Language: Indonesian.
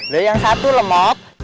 lo yang satu lemot